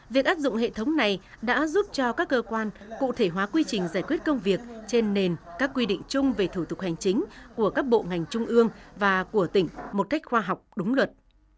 việc áp dụng hệ thống này đã giúp cho các cơ quan cụ thể hóa quy trình giải quyết công việc trên nền các quy định chung về thủ tục hành chính của các bộ ngành trung ương và của tỉnh một cách khoa học đúng luật